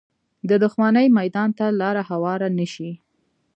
د دښمنۍ میدان ته لاره هواره نه شي